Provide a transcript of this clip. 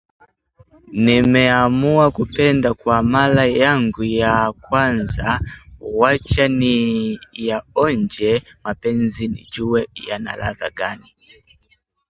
nimeamua kupenda kwa mara yangu ya kwanza wacha niyaonje mapenzi nijuwe yana ladha gani